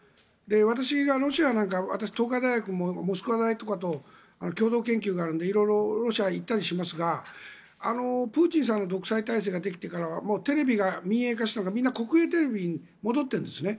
私、ロシアなんか東海大学はモスクワ大とかと共同研究があるので色々、ロシアに行ったりしますがプーチンさんの独裁体制ができてからテレビが民営化されたけど国営テレビに戻っているんですね。